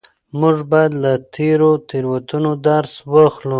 موږ بايد له تېرو تېروتنو درس واخلو.